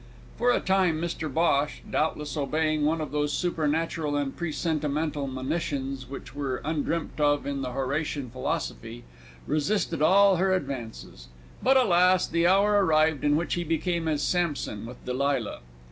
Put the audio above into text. For a time Mr Bhosh, doubtless obeying one of those supernatural and presentimental monitions which were undreamt of in the Horatian philosophy, resisted all her advances but alas! the hour arrived in which he became as Simpson with Delilah.